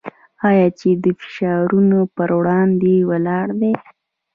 آیا چې د فشارونو پر وړاندې ولاړ دی؟